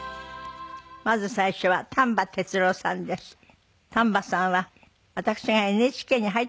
まず最初は丹波哲郎さんです。